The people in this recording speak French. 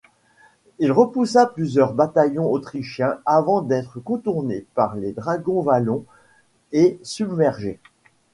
Il repoussa plusieurs bataillons autrichiens avant d'être contourné par les Dragons wallons et submergé.